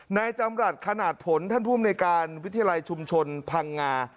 ในจำลัดขนาดผลท่านผู้บริการวิทยาลัยชุมชนพังงา